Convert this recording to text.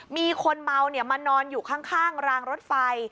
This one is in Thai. มีคนเมามานอนอยู่ข้างรางรถไฟ